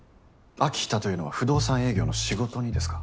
飽きたというのは不動産営業の仕事にですか？